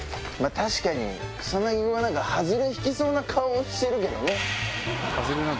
確かに、草薙君は、なんかはずれ引きそうな顔してるけどね。